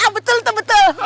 betul tuh betul